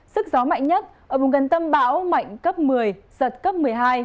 sức gió mạnh nhất ở vùng gần tâm bão mạnh cấp một mươi giật cấp một mươi hai